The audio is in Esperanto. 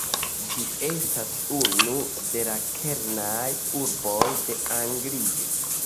Ĝi estas unu de la kernaj urboj de Anglio.